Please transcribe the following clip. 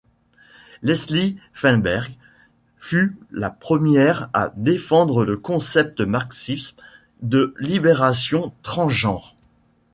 Leslie Feinberg fut la première à défendre le concept marxiste de libération transgenre.